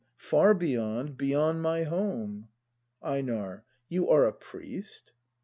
Far Beyond, beyond my home. EiNAR. You are A priest ?